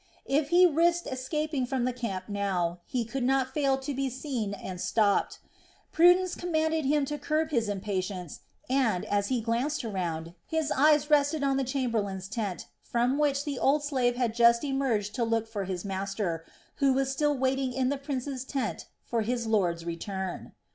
If he risked escaping from the camp now, he could not fail to be seen and stopped. Prudence commanded him to curb his impatience and, as he glanced around, his eyes rested on the chamberlain's tent from which the old slave had just emerged to look for his master, who was still waiting in the prince's tent for his lord's return.